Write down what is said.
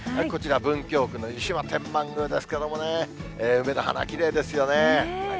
こちら、文京区の湯島天満宮ですけどもね、梅の花、きれいですよね。